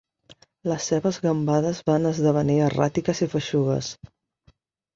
Les seves gambades van esdevenir erràtiques i feixugues.